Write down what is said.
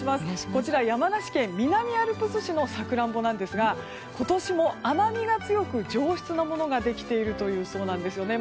こちら山梨県南アルプス市のサクランボなんですが今年も甘みが強く上質なものができているそうなんですね。